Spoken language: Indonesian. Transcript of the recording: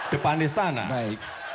depan istana baik